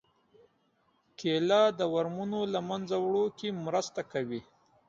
کېله د ورمونو له منځه وړو کې مرسته کوي.